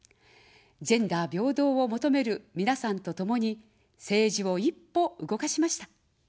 ジェンダー平等を求めるみなさんとともに政治を一歩動かしました。